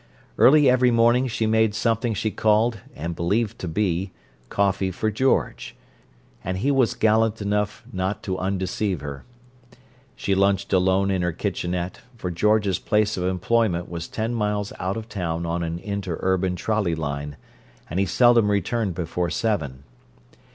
Early every morning she made something she called (and believed to be) coffee for George, and he was gallant enough not to undeceive her. She lunched alone in her "kitchenette," for George's place of employment was ten miles out of town on an interurban trolley line, and he seldom returned before seven.